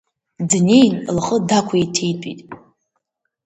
Днеин лхы дақәиҭитәит.